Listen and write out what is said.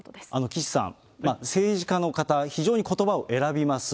岸さん、政治家の方、非常にことばを選びます。